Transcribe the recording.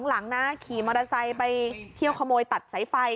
หลังนะขี่มอเตอร์ไซค์ไปเที่ยวขโมยตัดสายไฟ